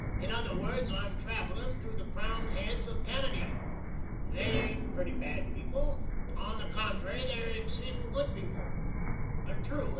In other words I'm travellin' among the crowned heds of Canady. They ain't pretty bad people. On the cont'ry, they air exceedin' good people.